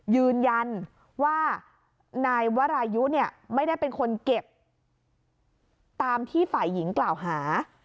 ยืนยันว่านายวรายุเนี่ยไม่ได้เป็นคนเก็บตามที่ฝ่ายหญิงกล่าวหา